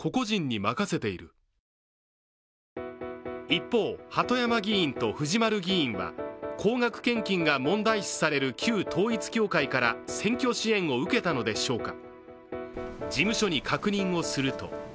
一方、鳩山議員と藤丸議員は高額献金が問題視される旧統一教会から選挙支援を受けたのでしょうか。